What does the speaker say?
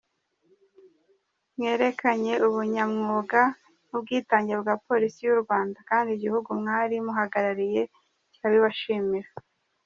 Mwerekanye ubunyamwuga n’ubwitange bwa Polisi y’u Rwanda kandi igihugu mwari muhagarariye kirabibashimira.